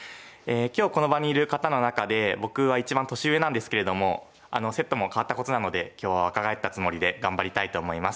今日この場にいる方の中で僕は一番年上なんですけれどもセットも変わったことなので今日は若返ったつもりで頑張りたいと思います。